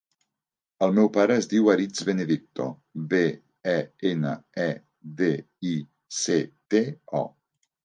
El meu pare es diu Aritz Benedicto: be, e, ena, e, de, i, ce, te, o.